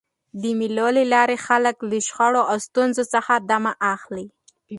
د مېلو له لاري خلک له شخړو او ستونزو څخه دمه اخلي.